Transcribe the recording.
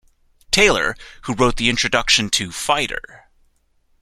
Taylor, who wrote the introduction to "Fighter".